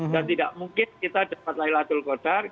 dan tidak mungkin kita dapat laylatul kodar